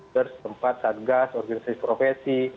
tempat sargas organisasi profesi